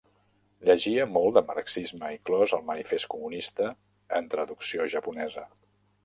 Llegia molt de marxisme, inclòs el "Manifest comunista", en traducció japonesa.